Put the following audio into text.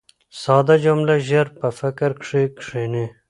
ساده جمله ژر په فکر کښي کښېني.